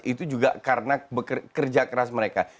itu juga karena kerja keras mereka